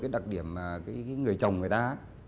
đặc điểm người chồng người ta